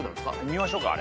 見ましょうか？